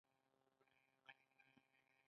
آیا د مڼې ګل میله په وردګو کې نه کیږي؟